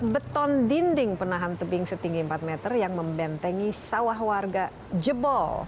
beton dinding penahan tebing setinggi empat meter yang membentengi sawah warga jebol